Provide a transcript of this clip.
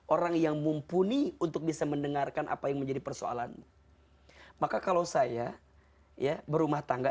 orang yang mumpuni untuk bisa mendengarkan apa yang menjadi persoalan maka kalau saya ya berumah tangga